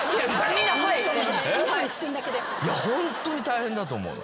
みんな「はい」いやホントに大変だと思うの。